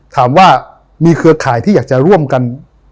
ถามว่ามีเครือข่ายที่อยากจะร่วมกัน